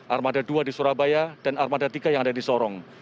armada dua di surabaya dan armada tiga yang ada di sorong